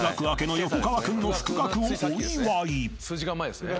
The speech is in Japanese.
数時間前ですね。